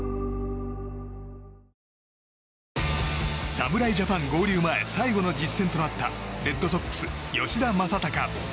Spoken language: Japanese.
侍ジャパン合流前最後の実戦となったレッドソックス吉田正尚。